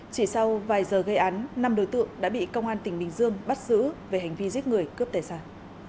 chỉ sau vài giờ gây án năm đối tượng đã bị công an tỉnh bình dương bắt giữ về hành vi giết người cướp tài sản